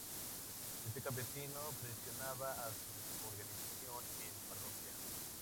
Este campesinado presionaba a su organización en parroquia.